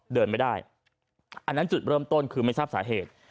เดินไม่ได้อันนั้นจุดเริ่มต้นคือไม่ทราบสาเหตุ